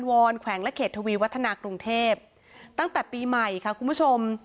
แขวงและเขตทวีวัฒนากรุงเทพตั้งแต่ปีใหม่ค่ะคุณผู้ชม